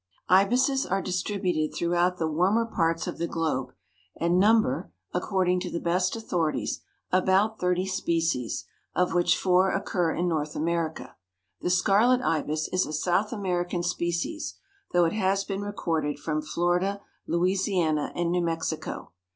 _) Ibises are distributed throughout the warmer parts of the globe and number, according to the best authorities, about thirty species, of which four occur in North America. The scarlet ibis is a South American species, though it has been recorded from Florida, Louisiana, and New Mexico.